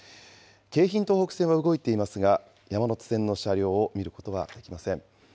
京浜東北線は動いていますが、山手線の車両を見ることはできません。